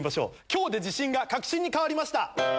「今日で自信が確信に変わりました」。